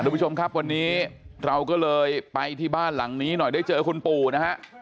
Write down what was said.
คุณผู้ชมครับวันนี้เราก็เลยไปที่บ้านหลังนี้หน่อยได้เจอคุณปู่นะฮะ